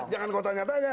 jangan kau tanya tanya